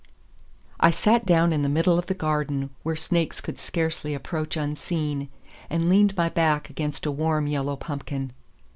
I sat down in the middle of the garden, where snakes could scarcely approach unseen, and leaned my back against a warm yellow pumpkin.